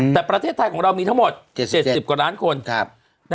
แต่ประเทศไทยของเรามีทั้งหมด๗๐กว่าล้านคน